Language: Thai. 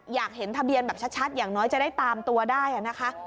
อยากเห็นทะเบียนแบบชัดอย่างน้อยจะได้ตามตัวได้นะคะ